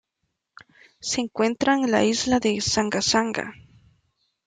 Se encuentra en la isla de Sanga-Sanga.